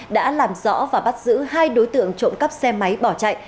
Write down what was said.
đã làm rõ và bắt giữ hai đối tượng trộm cắp xe máy bỏ chạy